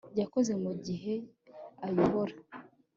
yakoze mu gihe ayobora